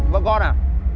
vợ con à